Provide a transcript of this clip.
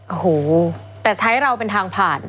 โอ้โหแต่ใช้เราเป็นทางผ่าน